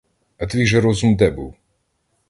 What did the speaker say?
А твій же розум де був?